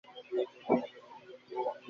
Shorts আর flip flop আর T-shirt.